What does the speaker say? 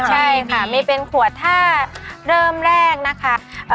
ใช่ค่ะมีเป็นขวดถ้าเริ่มแรกนะคะ